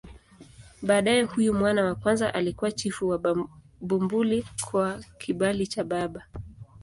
Baadaye huyu mwana wa kwanza alikuwa chifu wa Bumbuli kwa kibali cha baba.